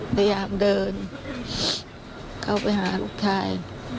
พยายามเดินเข้าไปหาลูกชาย